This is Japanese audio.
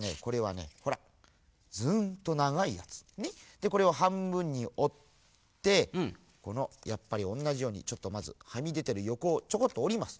でこれをはんぶんにおってこのやっぱりおんなじようにちょっとまずはみでてるよこをちょこっとおります。